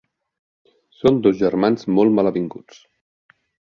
Són dos germans molt malavinguts.